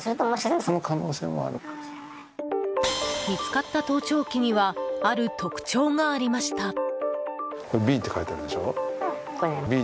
見つかった盗聴器にはある特徴がありました。